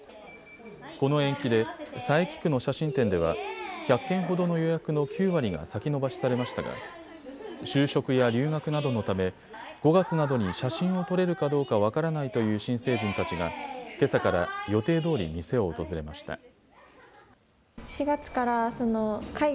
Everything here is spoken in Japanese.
この延期で佐伯区の写真店では１００件ほどの予約の９割が先延ばしされましたが就職や留学などのため５月などに写真を撮れるかどうか分からないという新成人たちがけさから予定どおり店を訪れました。